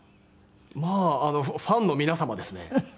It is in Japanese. まあ「ファンの皆様」ですね。